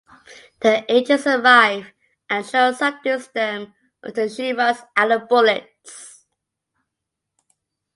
The agents arrive and Shaw subdues them until she runs out of bullets.